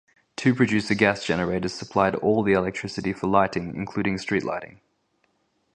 Two producer gas generators supplied all the electricity for lighting including street lighting.